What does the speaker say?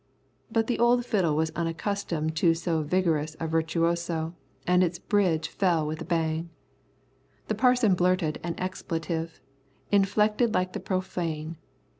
But the old fiddle was unaccustomed to so vigorous a virtuoso, and its bridge fell with a bang. The Parson blurted an expletive, inflected like the profane.